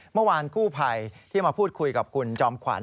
เมื่อวานกู้ภัยที่มาพูดคุยกับคุณจอมขวัญ